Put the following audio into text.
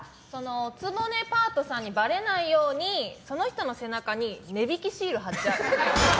お局パートさんにばれないようにその人の背中に値引きシール貼っちゃう。